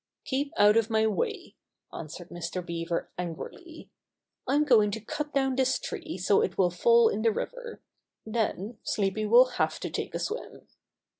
"Keep out of my way," answered Mr. Bea ver angrily. "I'm going to cut down this tree so it will fall in the river. Then Sleepy will have to take a swim."